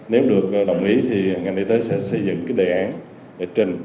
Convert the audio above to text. nếu được đồng ý thì ngành y tế sẽ xây dựng cái đề án để trình